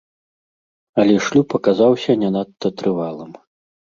Але шлюб аказаўся не надта трывалым.